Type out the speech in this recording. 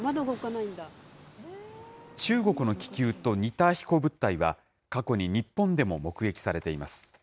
中国の気球と似た飛行物体は、過去に日本でも目撃されています。